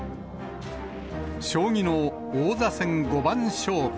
将棋の王座戦五番勝負。